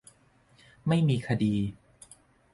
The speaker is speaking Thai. ไม่มีคดี !